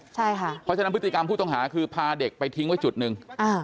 เพราะฉะนั้นพฤติกรรมผู้ต้องหาคือพาเด็กไปทิ้งไว้จุดหนึ่ง